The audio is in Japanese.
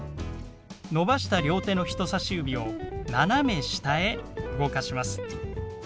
伸ばした両手の人さし指を斜め下へ動かします。